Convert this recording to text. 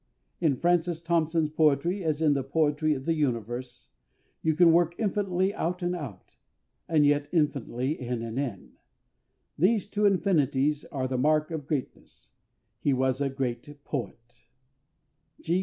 In FRANCIS THOMPSON'S poetry, as in the poetry of the universe, you can work infinitely out and out, but yet infinitely in and in. These two infinities are the mark of greatness; and he was a great poet.